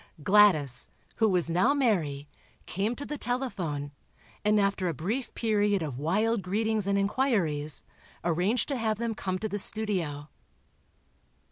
Gladys, who was now Mary, came to the telephone, and after a brief period of wild greetings and inquiries, arranged to have them come to the studio.